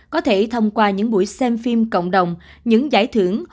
có thể thông qua những buổi xem phim cộng đồng những giải thưởng